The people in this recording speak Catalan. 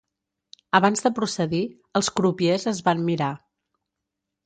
Abans de procedir, els crupiers es van mirar.